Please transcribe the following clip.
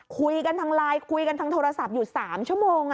คุยกันทางไลน์คุยกันทางโทรศัพท์อยู่๓ชั่วโมง